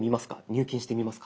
入金してみますか？